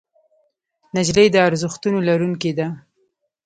نجلۍ د ارزښتونو لرونکې ده.